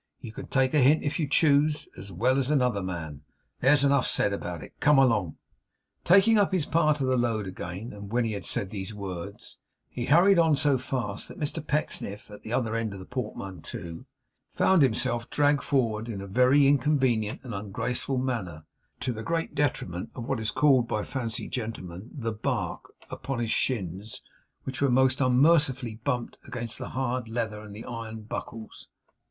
You can take a hint, if you choose as well as another man. There's enough said about it. Come along!' Taking up his part of the load again, when he had said these words, he hurried on so fast that Mr Pecksniff, at the other end of the portmanteau, found himself dragged forward, in a very inconvenient and ungraceful manner, to the great detriment of what is called by fancy gentlemen 'the bark' upon his shins, which were most unmercifully bumped against the hard leather and the iron buckles.